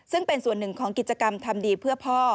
ซึ่งเป็นส่วนหนึ่งของกิจกรรมทำดีเพื่อพ่อ